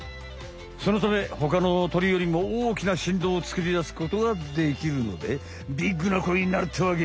そのためほかの鳥よりも大きなしんどうをつくりだすことができるのでビッグな声になるってわけ！